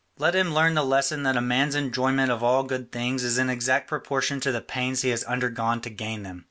Let him learn the lesson that a man's enjoyment of all good things is in exact proportion to the pains he has undergone to gain them.